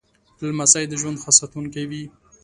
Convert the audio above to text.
لمسی د ژوند ښه ساتونکی وي.